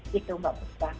gitu mbak buslo